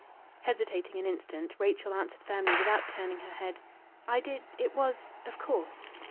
Hesitating an instant, Rachel answered firmly, without turning her head "I did ... It was ... Of course."